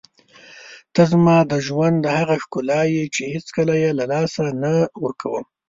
ته زما د ژوند هغه ښکلا یې چې هېڅکله یې له لاسه نه ورکوم.